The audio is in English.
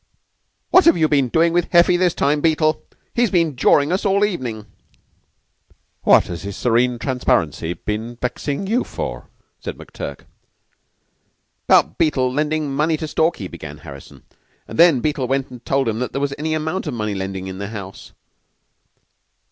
"What have you been doing to Heffy this time, Beetle? He's been jawing us all the evening." "What has His Serene Transparency been vexin' you for?" said McTurk. "About Beetle lendin' money to Stalky," began Harrison; "and then Beetle went and told him that there was any amount of money lendin' in the house."